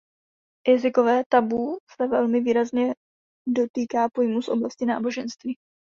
Jazykové tabu se velmi výrazně dotýká pojmů z oblasti náboženství.